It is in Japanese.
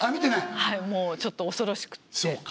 はいもうちょっと恐ろしくて。